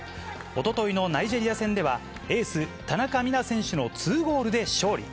おとといのナイジェリア戦では、エース、田中美南選手の２ゴールで勝利。